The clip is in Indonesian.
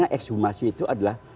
karena ekshumasi itu adalah